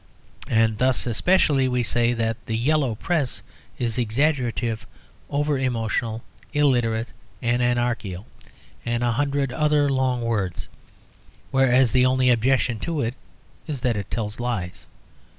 And thus especially we say that the Yellow Press is exaggerative, over emotional, illiterate, and anarchical, and a hundred other long words; whereas the only objection to it is that it tells lies.